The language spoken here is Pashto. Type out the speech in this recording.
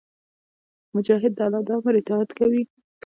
مجاهد د الله د امر اطاعت کوي.